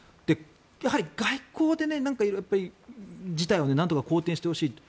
やはり外交で色々、事態をなんとか好転してほしいと。